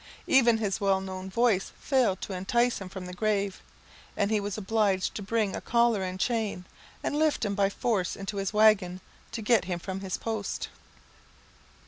Even his well known voice failed to entice him from the grave, and he was obliged to bring a collar and chain, and lift him by force into his waggon, to get him from his post.